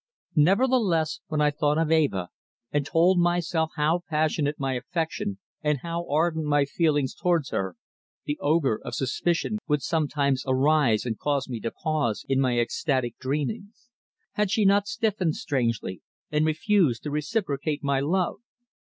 Nevertheless, when I thought of Eva, and told myself how passionate was my affection and how ardent my feelings towards her, the ogre of suspicion would sometimes arise and cause me to pause in my ecstatic dreamings. Had she not stiffened strangely, and refused to reciprocate my love?